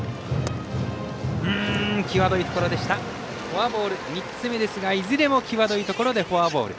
フォアボール３つ目ですがいずれも際どいところでフォアボール。